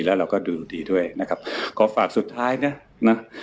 แล้วเราก็ดูดนตรีด้วยนะครับขอฝากสุดท้ายนะนะ